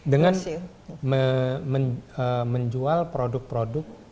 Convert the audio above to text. dengan menjual produk produk